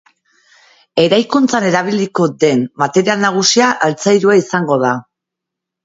Eraikuntzan erabiliko den material nagusia altzairua izango da.